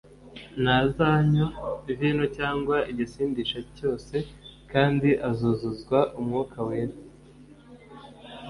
Ntazanywa vino cyangwa igisindisha cyose kandi azuzuzwa Umwuka wera.